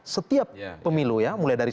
setiap pemilu ya mulai dari